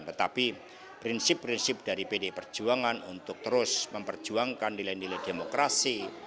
tetapi prinsip prinsip dari pdi perjuangan untuk terus memperjuangkan nilai nilai demokrasi